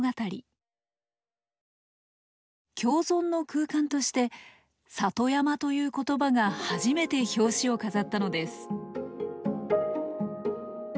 共存の空間として「里山」という言葉が初めて表紙を飾ったのです。